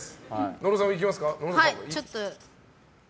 野呂さんいきますか。